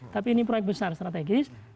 tapi ini proyek besar strategis